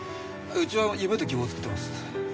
うちは夢と希望を作ってます。